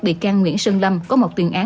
bị can nguyễn sơn lâm có một tuyên án